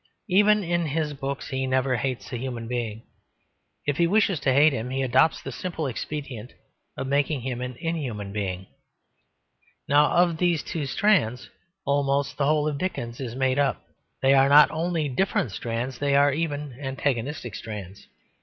Even in his books he never hates a human being. If he wishes to hate him he adopts the simple expedient of making him an inhuman being. Now of these two strands almost the whole of Dickens is made up; they are not only different strands, they are even antagonistic strands.